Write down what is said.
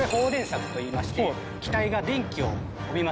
といいまして。